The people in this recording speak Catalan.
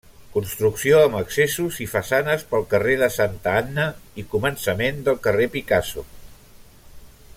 Construcció amb accessos i façanes pel carrer de Santa Anna i començament del carrer Picasso.